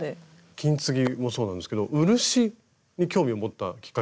金継ぎもそうなんですけど漆に興味を持ったきっかけもあります？